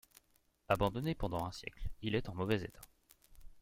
Abandonné pendant un siècle il est en mauvais état.